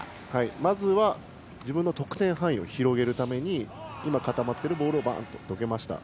まずは自分の得点範囲を広げるために今、固まっているボールをどけました。